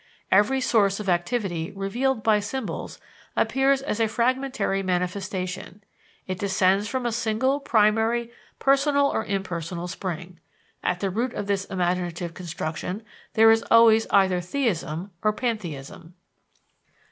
Every source of activity revealed by symbols appears as a fragmentary manifestation; it descends from a single primary, personal or impersonal, spring. At the root of this imaginative construction there is always either theism or pantheism.